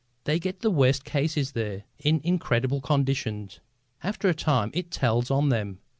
"They get the worst cases there, in incredible conditions. After a time it tells on them.